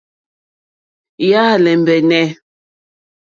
Yà á !lɛ́mbɛ́nɛ́.